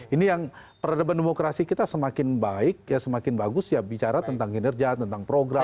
ini yang peradaban demokrasi kita semakin baik ya semakin bagus ya bicara tentang kinerja tentang program